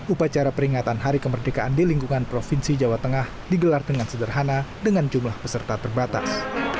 upacara peringatan hari kemerdekaan di lingkungan provinsi jawa tengah digelar dengan sederhana dengan jumlah peserta terbatas